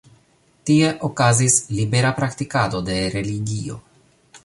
Tie okazis libera praktikado de religio.